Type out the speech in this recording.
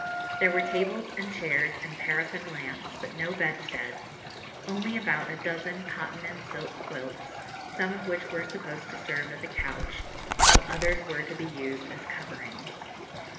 There were tables and chairs and paraffin lamps, but no bedsteads, only about a dozen cotton and silk quilts, some of which were supposed to serve as a couch, while others were to be used as coverings.